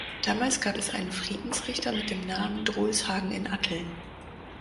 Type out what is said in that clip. Damals gab es einen Friedensrichter mit dem Namen Drolshagen in Atteln.